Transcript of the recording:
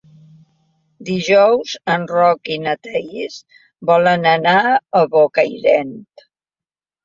Dijous en Roc i na Thaís volen anar a Bocairent.